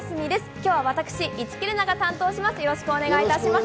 今日は私、市來玲奈が担当します。